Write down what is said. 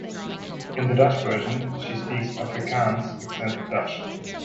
In the Dutch version she speaks Afrikaans accented Dutch.